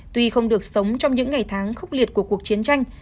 tuy không được sống trong những ngày tháng khốc liệt của cuộc chiến tranh